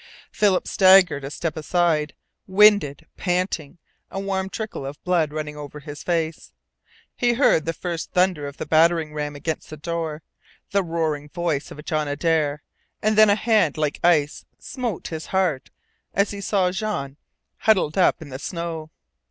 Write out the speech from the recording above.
Philip staggered a step aside, winded, panting, a warm trickle of blood running over his face. He heard the first thunder of the battering ram against the door, the roaring voice of John Adare, and then a hand like ice smote his heart as he saw Jean huddled up in the snow.